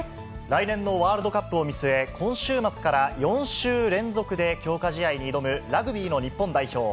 来年のワールドカップを見据え、今週末から４週連続で強化試合に挑むラグビーの日本代表。